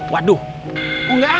waduh ular aja ya